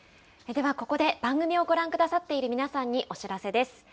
ではここで、番組をご覧くださっている皆さんにお知らせです。